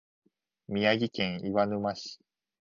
宮城県岩沼市